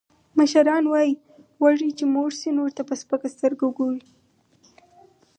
مشران وایي: وږی چې موړ شي، نورو ته په سپکه سترګه ګوري.